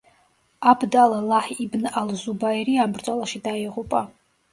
აბდ ალ-ლაჰ იბნ ალ-ზუბაირი ამ ბრძოლაში დაიღუპა.